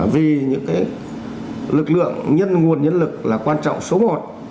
vì những cái lực lượng nguồn nhân lực là quan trọng số một